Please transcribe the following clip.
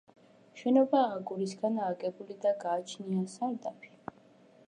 შენობა აგურისგანაა აგებული და გააჩნია სარდაფი.